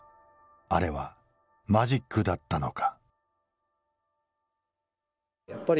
あれはマジックだったのか。